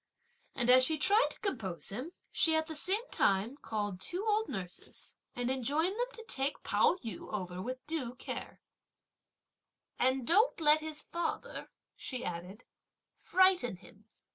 And as she tried to compose him, she at the same time called two old nurses and enjoined them to take Pao yü over with due care, "And don't let his father," she added, "frighten him!"